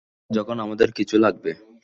বিশেষ করে যখন আমাদের কিছু লাগবে।